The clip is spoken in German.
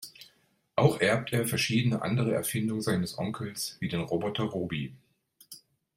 Auch erbt er verschiedene andere Erfindungen seines Onkels, wie den Roboter Robi.